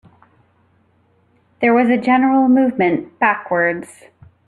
There was a general movement backwards.